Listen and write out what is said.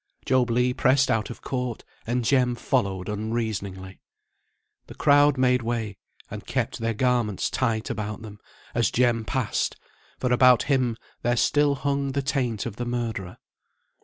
Job Legh pressed out of court, and Jem followed unreasoningly. The crowd made way, and kept their garments tight about them, as Jem passed, for about him there still hung the taint of the murderer.